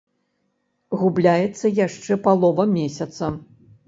Губляецца яшчэ палова месяца.